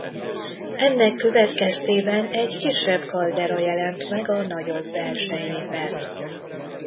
Ennek következtében egy kisebb kaldera jelent meg a nagyobb belsejében.